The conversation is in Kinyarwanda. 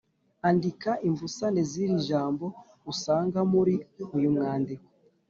andika imbusane z’iri jambo, usanga muri uyu mwandiko